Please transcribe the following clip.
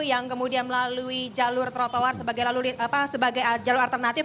yang kemudian melalui jalur trotoar sebagai jalur alternatif